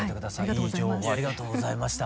いい情報をありがとうございました。